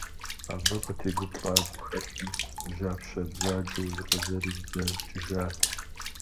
Абы къытегуплӏа гухэлъым жьапщэ бзаджэу зыкъызэридзэкӏыжат.